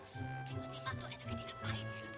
si potimah tuh energi dia pahit ya